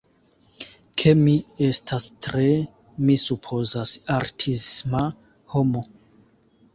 ke mi estas tre, mi supozas, artisma homo